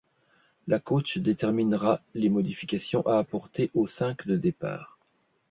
La coach déterminera les modifications à apporter au cinq de départ.